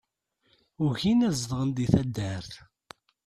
Ugin ad zedɣen di taddart.